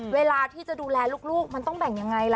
เวลาที่จะดูแลลูกมันต้องแบ่งยังไงล่ะ